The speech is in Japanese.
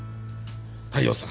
大陽さん。